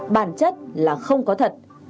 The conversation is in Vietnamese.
bản chất là không có thật